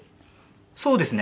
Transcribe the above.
そうですね。